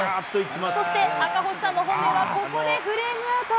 そして赤星さんの本命は、ここでフレームアウト。